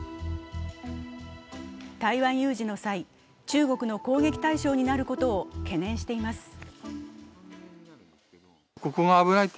台湾有事の際、中国の攻撃対象になることを懸念しています。